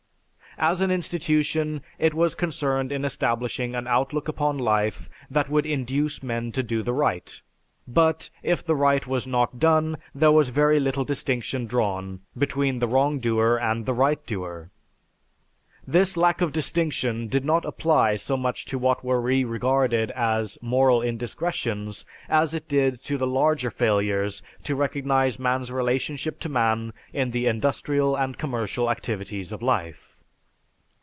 As an institution it was concerned in establishing an outlook upon life that would induce men to do the right, but, if the right was not done, there was very little distinction drawn between the wrong doer and the right doer. This lack of distinction did not apply so much to what were re regarded as moral indiscretions as it did to the larger failures to recognize man's relationship to man in the industrial and commercial activities of life.